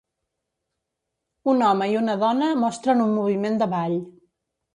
Un home i una dona mostren un moviment de ball.